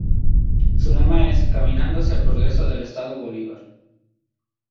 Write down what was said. Su lema es "Caminando hacia el progreso del Estado Bolívar".